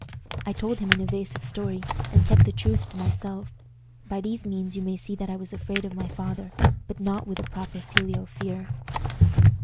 I told him an evasive story, and kept the truth to myself. By this means you may see that I was afraid of my father, but not with a proper filial fear.